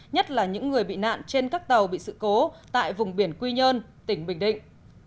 nhất là những người bị nạn trên các tàu bị sự cố tại vùng biển quy nhơn tỉnh bình định